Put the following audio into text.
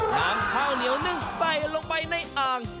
นำข้าวเหนียวนึ่งใส่ลงไปในอ่าง